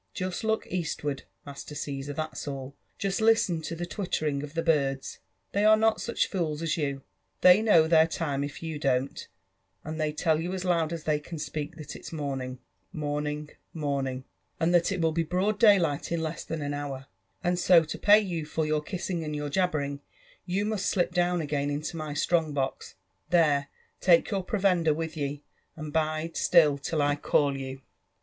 Just look .eastward. Master Caesar, that's all ; just listen to the twittering of the birds, — they are not such fools as you — ihey know their time if you don't, and they tell you as loud as they can speak that it'5 morning, morning, morning, and that it will be broad daylight in less than an hour ; and so, to pay you for your, kissing and your jabbering, you must just slip down again into my strong box. There I take your provender with ye — and bide still till I call you."